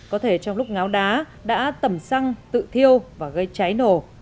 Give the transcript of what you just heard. có thể trong lúc ngáo đá đã tẩm xăng tự thiêu và gây cháy nổ